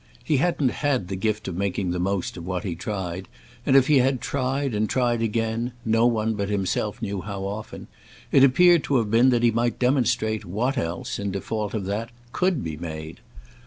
He hadn't had the gift of making the most of what he tried, and if he had tried and tried again—no one but himself knew how often—it appeared to have been that he might demonstrate what else, in default of that, could be made.